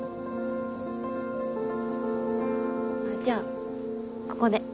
じゃあここで。